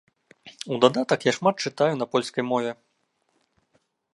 У дадатак я шмат чытаю на польскай мове.